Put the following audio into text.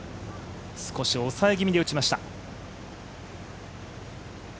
少し抑え気味で打ちました。